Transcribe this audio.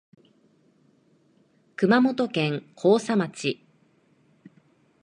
熊本県甲佐町